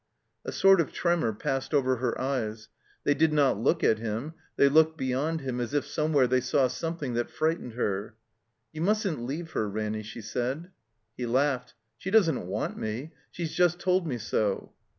A sort of tremor passed over her eyes. They did not look at him; they looked beyond him, as if some where they saw something that frightened her. "You mustn't leave her, Ranny," she said. He laughed. "She doesn't want me. She's just told me so."